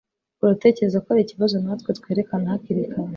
Uratekereza ko hari ikibazo natwe twerekana hakiri kare